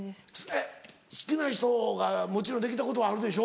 えっ好きな人がもちろんできたことはあるでしょ？